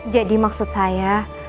jadi maksud saya